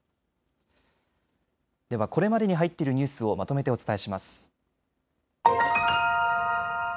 では、これまでに入っているニュースをまとめてお伝えします。